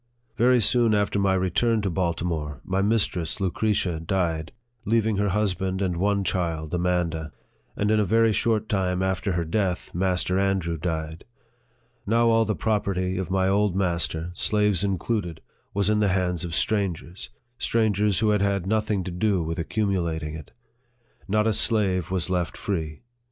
Very soon after my return to Baltimore, my mistress, Lucretia, died, leaving her husband and one child, Amanda ; and in a very short time after her death, Master Andrew died. Now all the property of my old master, slaves included, was in the hands of strangers, strangers who had had nothing to do with accumu lating it. Not a slave was left free.